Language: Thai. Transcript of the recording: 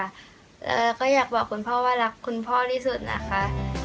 แล้วก็อยากบอกคุณพ่อว่ารักคุณพ่อที่สุดนะคะ